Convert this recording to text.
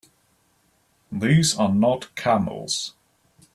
These are not camels!